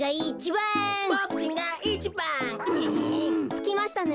つきましたね。